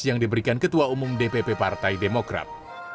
yang diberikan ketua umum dpp partai demokrat